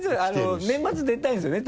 年末出たいんですよね？